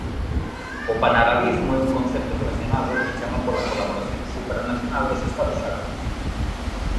O panarabismo é un concepto relacionado é chama pola colaboración supranacional dos estados árabes.